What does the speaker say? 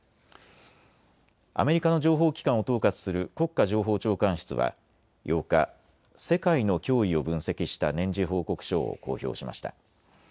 アメリカの情報機関を統括する国家情報長官室は８日、世界の脅威を分析した年次報告書を公表しました。